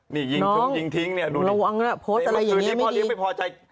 นี่ยิงทิ้งดูนี่ถ้าเมื่อคืนนี้พ่อเลี้ยงไม่พอใจ